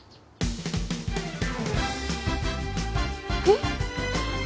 えっ？